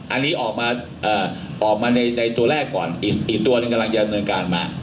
อันนี้ออกมาออกมาในตัวแรกก่อนอีกตัวหนึ่งกำลังจะดำเนินการมา